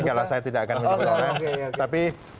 kalau saya tidak akan menjawab